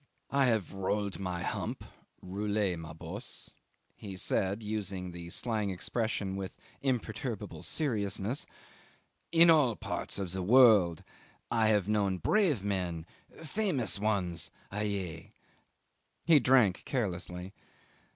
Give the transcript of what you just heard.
I have rolled my hump (roule ma bosse)," he said, using the slang expression with imperturbable seriousness, "in all parts of the world; I have known brave men famous ones! Allez!" ... He drank carelessly.